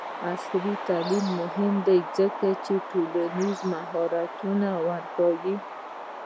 عصري تعلیم مهم دی ځکه چې ټولنیز مهارتونه ورښيي.